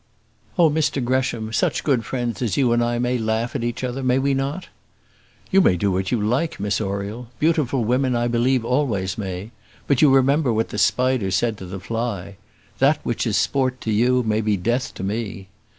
"Oh, Mr Gresham, such good friends as you and I may laugh at each other, may we not?" "You may do what you like, Miss Oriel: beautiful women I believe always may; but you remember what the spider said to the fly, 'That which is sport to you, may be death to me.'"